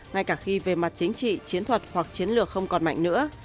ngay cả khi về mặt chính trị chiến thuật hoặc chiến lược không còn mạnh nữa